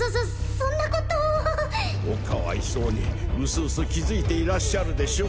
そんなことおかわいそうに薄々気づいていらっしゃるでしょ